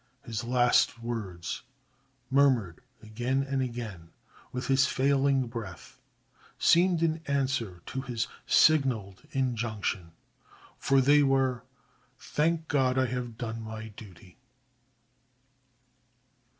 His last words, murmured again and again, with his failing breath, seemed an answer to his signaled injunction, for they were: "_Thank God I have done my duty.